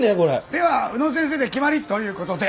では宇野先生で決まりという事で。